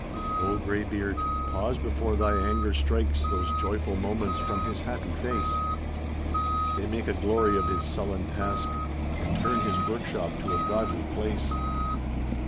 O greybeard, pause before thy anger strikes Those joyful moments from his happy face. They make a glory of his sullen task And turn his workshop to a godly place.